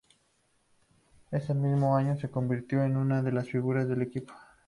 Ese mismo año se convirtió en una de las figuras del equipo.